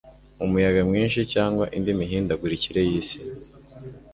umuyaga mwinshi cyangwa indi mihindagurikire y'isi